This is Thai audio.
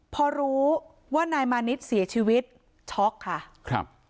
พอรู้ว่านายมานิทก็เสียชีวิตช็อกค่ะ